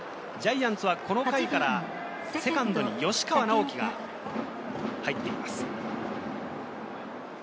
ジャイアンツはこの回からセカンドに吉川尚輝が入っています。